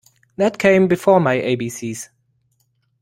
That came before my A B C's.